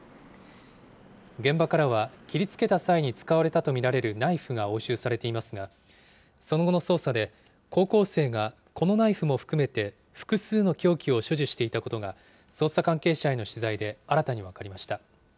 現場からは、切りつけた際に使われたと見られるナイフが押収されていますが、その後の捜査で、高校生がこのナイフも含めて、複数の凶器を所持していたことが、捜査関係者への取材で新たに分かりました。